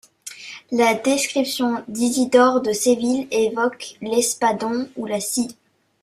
La description d'Isidore de Séville évoque l'espadon ou la scie.